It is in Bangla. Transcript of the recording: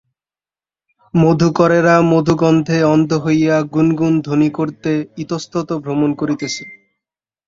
মধুকরেরা মধুগন্ধে অন্ধ হইয়া গুন গুন ধ্বনি করত ইতস্তত ভ্রমণ করিতেছে।